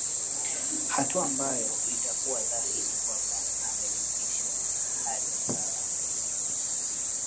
Hatua ambayo itakuwa dhahiri kwamba ameridhishwa na hali ya usalama